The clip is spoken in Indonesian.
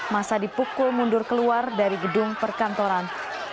masa dipukul mundur keluar dari gedung perkantoran